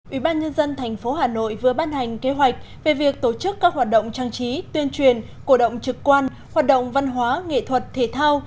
ủy ban nhân dân tp hà nội vừa ban hành kế hoạch về việc tổ chức các hoạt động trang trí tuyên truyền cổ động trực quan hoạt động văn hóa nghệ thuật thể thao